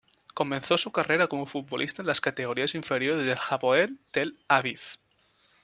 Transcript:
Comenzó su carrera como futbolista en las categorías inferiores del Hapoel Tel Aviv.